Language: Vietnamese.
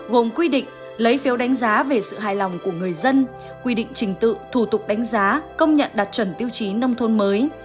gồm quy định lấy phiếu đánh giá về sự hài lòng của người dân quy định trình tự thủ tục đánh giá công nhận đạt chuẩn tiêu chí nông thôn mới